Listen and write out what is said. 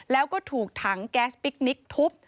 แล้วก็ถูกถังแก๊สปิ๊กนิกทุบ